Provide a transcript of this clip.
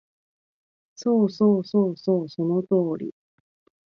そうそうそうそう、その通り